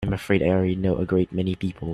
I'm afraid I already know a great many people.